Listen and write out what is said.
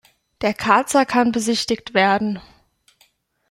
Der Karzer kann besichtigt werden.